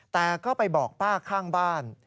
แต่ก็ไปบอกป้าข้างบ้าน